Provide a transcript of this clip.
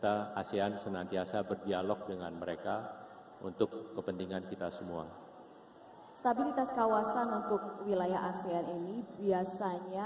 asean chair akan menunjuk special envoy